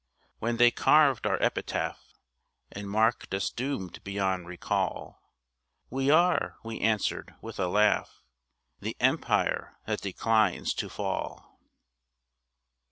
When they carved our epitaph And marked us doomed beyond recall, "We are," we answered, with a laugh, "The Empire that declines to fall."